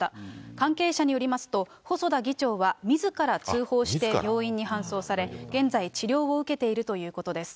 関係者によりますと、細田議長はみずから通報して病院に搬送され、現在、治療を受けているということです。